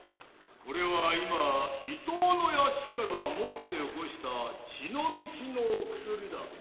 これは今伊藤の屋敷から持って寄こした血の道の薬だ。